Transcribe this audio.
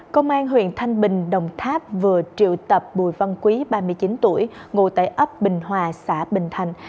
công an huyện thanh bình đồng tháp vừa triệu tập bùi văn quý ba mươi chín tuổi ngụ tại ấp bình hòa xã bình thành